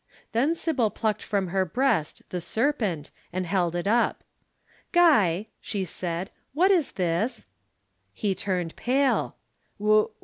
"Then Sybil plucked from her breast the serpent and held it up. "'Guy,' she said. 'What is this?' "He turned pale.